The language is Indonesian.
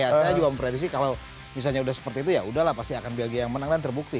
saya juga mempredisi kalau misalnya udah seperti itu yaudah lah pasti akan belgia yang menang dan terbukti